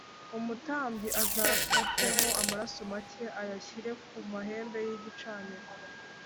umutambyi azafateho amaraso make ayashyire ku mahembe yi igicaniro